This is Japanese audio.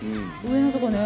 上のとこね。